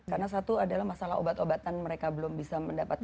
karena satu adalah masalah obat obatan mereka belum bisa mendapatkan